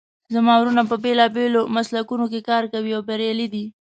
زما وروڼه په بیلابیلو مسلکونو کې کار کوي او بریالي دي